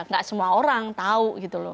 gak semua orang tahu gitu loh